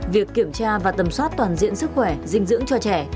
việc kiểm tra và tầm soát toàn diện sức khỏe dinh dưỡng cho trẻ